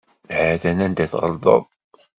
Hatan anda tɣelḍeḍ.